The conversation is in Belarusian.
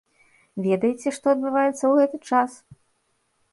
Ведаеце, што адбываецца ў гэты час?